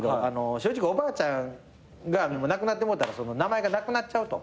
正直おばあちゃんが亡くなってもうたら名前がなくなっちゃうと。